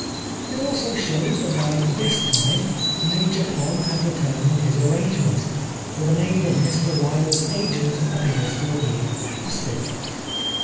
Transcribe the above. It also shows that by this time Major Pond had deter mined his arrangement, for the name of Mr Wilde's agent appears to have been Husted.